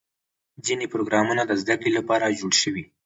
ځینې پروګرامونه د زدهکړې لپاره جوړ شوي.